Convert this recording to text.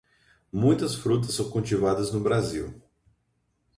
Muitas frutas são cultivadas no Brasil.